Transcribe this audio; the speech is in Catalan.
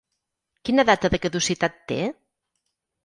Quina data de caducitat té?